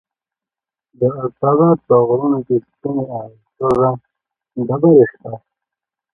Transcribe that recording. د سيدآباد په غرو كې سپينې او سور رنگه ډبرې شته